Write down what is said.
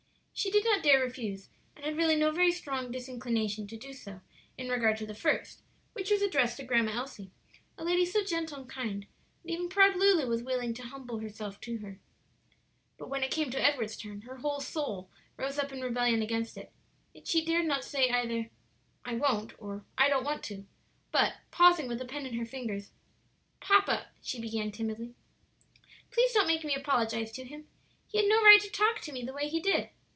She did not dare refuse, and had really no very strong disinclination to do so in regard to the first, which was addressed to Grandma Elsie a lady so gentle and kind that even proud Lulu was willing to humble herself to her. But when it came to Edward's turn her whole soul rose up in rebellion against it. Yet she dared not say either "I won't" or "I don't want to." But pausing, with the pen in her fingers: "Papa," she began timidly, "please don't make me apologize to him; he had no right to talk to me the way he did."